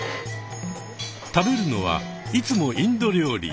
食べるのはいつもインド料理。